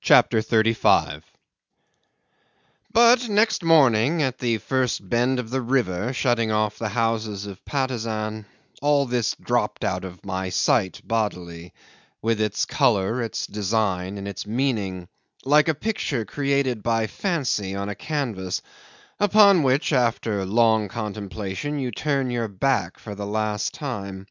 CHAPTER 35 'But next morning, at the first bend of the river shutting off the houses of Patusan, all this dropped out of my sight bodily, with its colour, its design, and its meaning, like a picture created by fancy on a canvas, upon which, after long contemplation, you turn your back for the last time.